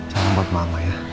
jangan lupa ke mama ya